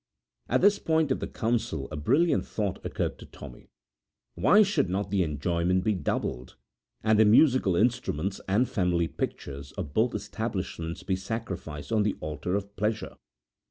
At this point of the council a brilliant thought occurred to Tommy. 'Why should not the enjoyment be doubled, and the musical instruments and family pictures of both establishments be sacrificed on the altar of pleasure?'